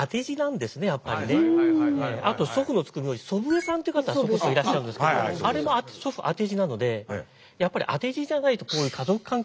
あと祖父の付く名字祖父江さんっていう方はそこそこいらっしゃるんですけどあれも祖父当て字なのでやっぱり当て字じゃないとこういう家族関係って付かないんでしょうね。